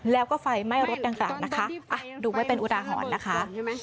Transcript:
แล้วก็ไฟไหม้รถดังกล่าวนะคะดูไว้เป็นอุทาหรณ์นะคะ